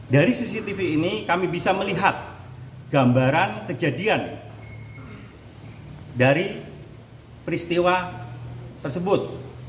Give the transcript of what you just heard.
dari cctv ini kami bisa melihat gambaran kejadian dari peristiwa tersebut